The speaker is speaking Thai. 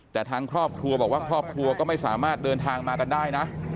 แต่ทางครอบครัวบอกว่าครอบครัวก็ไม่สามารถเดินทางมากันได้นะ